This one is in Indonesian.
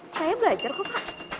saya belajar kok pak